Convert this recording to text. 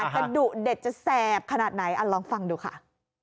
ดุเด็ดจะแสบขนาดไหนลองฟังดูค่ะ